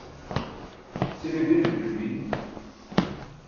cʰile biri ẓuc̣ibi